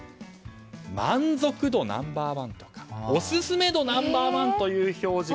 満足度ナンバー１とかオススメ度ナンバー１という表示。